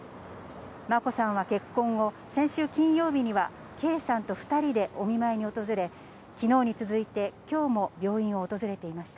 眞子さんは結婚後、先週金曜日には圭さんと２人でお見舞いに訪れ、きのうに続いてきょうも病院を訪れていました。